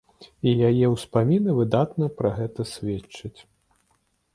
І яе ўспаміны выдатна пра гэта сведчаць.